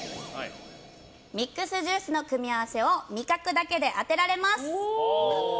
ミックスジュースの組み合わせを味覚だけで当てられます！